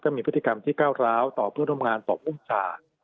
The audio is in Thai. มีพฤติกรรมที่ก้าวร้าวต่อเพื่อนร่วมงานต่ออุ้มชา